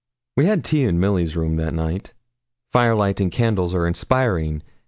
We had tea in Milly's room that night. Firelight and candles are inspiring.